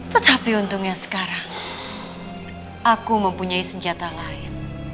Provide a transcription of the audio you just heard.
tetapi untungnya sekarang aku mempunyai senjata lain